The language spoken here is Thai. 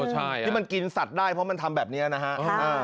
ใช่ที่มันกินสัตว์ได้เพราะมันทำแบบนี้นะฮะ